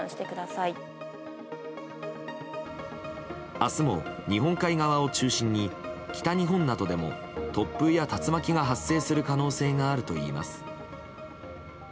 明日も、日本海側を中心に北日本などでも突風や竜巻が発生する可能性があるといいます。